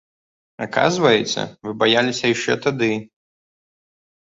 Аказваецца, вы баяліся яшчэ тады.